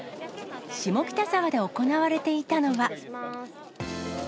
下北沢で行われていたのは。